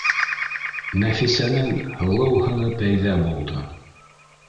Нәфисәнең һылыу һыны пәйҙә булды